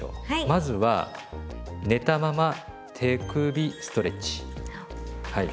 まずは寝たまま手首ストレッチ。